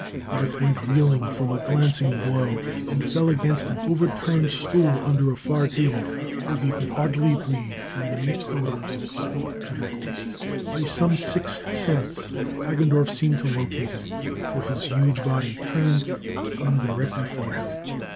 Garth went reeling from a glancing blow, and fell against an over turned stool under a far table where he could hardly breathe for the mixed odors of spilt chemicals. By some sixth sense, Hagendorff seemed to locate him, for his huge body turned and came directly for him.